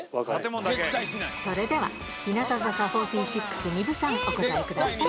それでは、日向坂４６・丹生さん、お答えください。